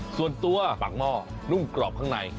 ส่วนตัวปากหม้อนุ่มกรอบข้างใน